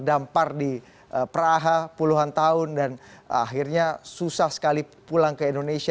dampar di praha puluhan tahun dan akhirnya susah sekali pulang ke indonesia